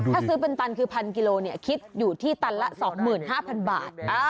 ถ้าซื้อเป็นตันคือ๑๐๐กิโลคิดอยู่ที่ตันละ๒๕๐๐บาท